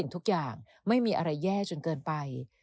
ทุกอย่างไม่มีอะไรแย่จนเกินไป